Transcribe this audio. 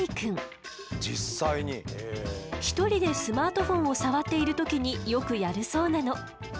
１人でスマートフォンを触っている時によくやるそうなの。